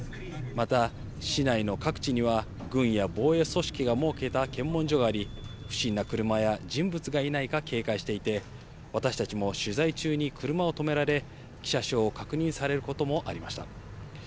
また、市内の各地には、軍や防衛組織が設けた検問所があり、不審な車や人物がいないか警戒していて、私たちも取材中に車を止められ、記者証を確認されることもありました。